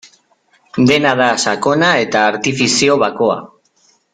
Dena da sakona eta artifizio bakoa.